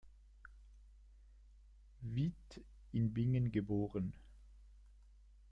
Vieth in Bingen geboren.